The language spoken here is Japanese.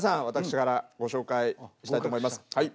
私からご紹介したいと思います。